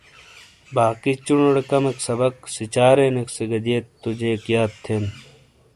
باقی چُونو ٹے کمیک سبق سیچارینیک سے گہ دئیت تو جیک یاد تھین نے ۔